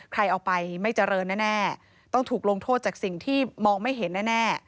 ใครเอาไปไม่เจริญแน่ต้องถูกลงโทษจากสิ่งที่มองไม่เห็นแน่